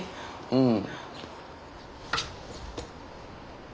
うん。